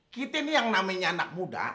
kita ini yang namanya anak muda